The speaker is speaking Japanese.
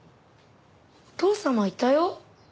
父様いたよ。